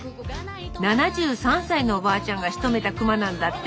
７３歳のおばあちゃんがしとめた熊なんだって。